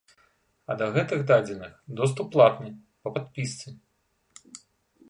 А да гэтых дадзеных доступ платны, па падпісцы.